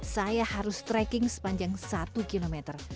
saya harus trekking sepanjang satu km